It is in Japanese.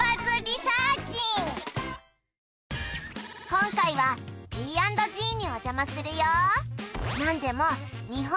今回はＰ＆Ｇにおじゃまするよ